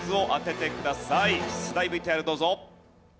出題ＶＴＲどうぞ。